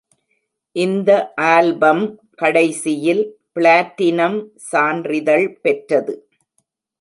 இந்த ஆல்பம் கடைசியில் பிளாட்டினம் சான்றிதழ் பெற்றது.